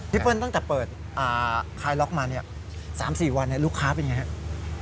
เปิ้ลตั้งแต่เปิดคลายล็อกมาเนี่ย๓๔วันลูกค้าเป็นไงครับ